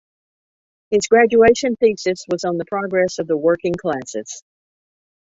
His graduation thesis was on the progress of the working classes.